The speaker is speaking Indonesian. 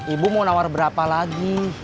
ibu mau nawar berapa lagi